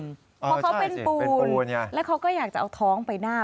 เพราะเขาเป็นปูนแล้วเขาก็อยากจะเอาท้องไปหน้า